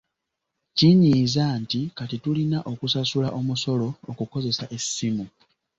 Kinyiiza nti kati tulina okusasula omusolo okukozesa essimu.